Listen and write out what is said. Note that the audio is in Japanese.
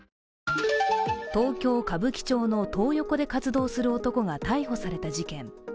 東京・歌舞伎町のトー横で活動する男が逮捕された事件。